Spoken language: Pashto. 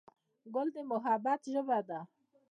ګل د محبت ژبه ده.